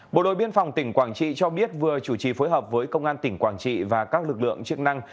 bộ đội biên phòng tỉnh quảng trị cho biết vừa chủ trì phối hợp với công an tỉnh quảng trị và các lực lượng chức năng